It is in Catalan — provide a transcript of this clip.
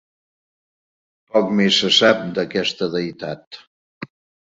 Poc més se sap d'aquesta deïtat.